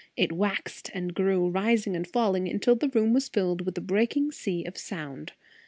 It waxed and grew, rising and falling, until the room was filled with a breaking sea of sound.